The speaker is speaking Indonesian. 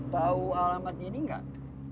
tahu alamatnya ini enggak